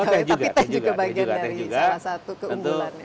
tapi teh juga bagian dari salah satu keunggulan ya